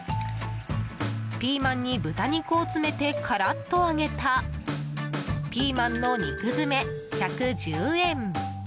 ピーマンに豚肉を詰めてカラッと揚げたピーマンの肉詰、１１０円。